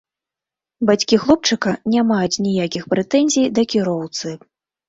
Бацькі хлопчыка не маюць ніякіх прэтэнзій да кіроўцы.